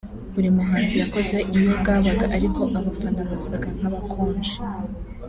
Buri muhanzi yakoze iyo bwabaga ariko abafana basaga nk’abakonje